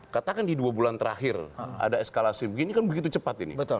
katakan di dua bulan terakhir ada eskalasi begini kan begitu cepat ini